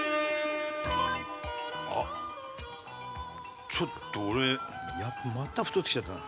あっちょっと俺また太ってきちゃったな。